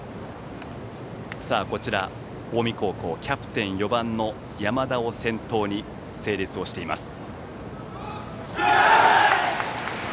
近江高校キャプテン４番の山田を先頭に整列をしています。